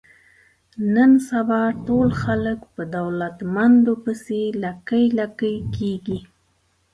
نن سبا ټول خلک په دولتمندو پسې لکۍ لکۍ کېږي.